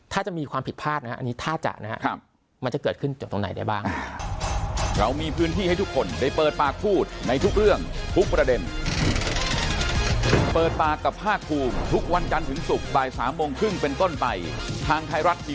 ถ้าจะมีความผิดพลาดนะฮะอันนี้ถ้าจะนะครับมันจะเกิดขึ้นจากตรงไหนได้บ้าง